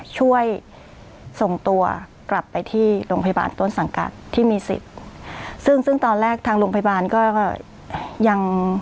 ช่วยส่งตัวกลับไปที่โรงพยาบาลต้นสังกัดที่มีสิทธิ์ซึ่งซึ่งตอนแรกทางโรงพยาบาลก็ยัง